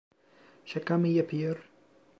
Şaka mı yapıyor?